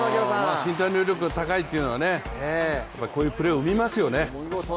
身体能力が高いというのはこういうプレーを生みますよね。